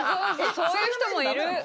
そういう人もいる。